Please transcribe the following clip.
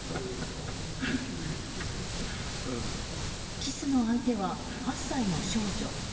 キスの相手は８歳の少女。